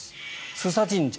須佐神社。